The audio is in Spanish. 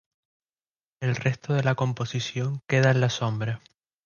El resto de la composición queda en la sombra.